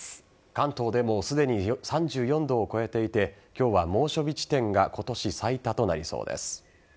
関東でもすでに３４度を超えていて今日は猛暑日地点が今年最多となりそうです。